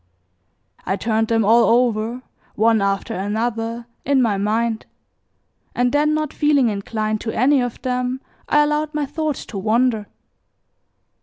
I turned them all over, one after another, in my mind, and then not feeling inclined to any of them I allowed my thoughts to wander.